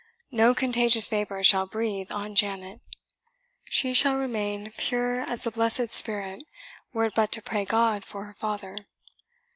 No contagious vapour shall breathe on Janet she shall remain pure as a blessed spirit, were it but to pray God for her father.